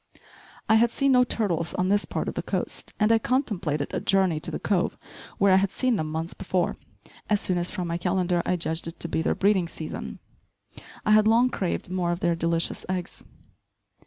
I had seen no turtles on this part of the coast, and I contemplated a journey to the cove where I had seen them months before, as soon as, from my calendar, I judged it to be their breeding season. I had long craved more of their delicious eggs.